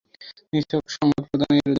নিছক সংবাদ প্রদানই এর উদ্দেশ্য।